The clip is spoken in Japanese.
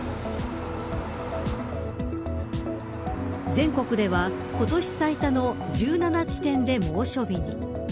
全国では、今年最多の１７地点で猛暑日に。